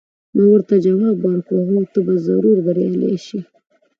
ما ورته ځواب ورکړ: هو، ته به ضرور بریالۍ شې.